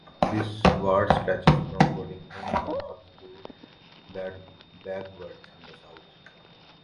This ward stretches from Boddington in the north to Badgeworth in the south.